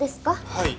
はい。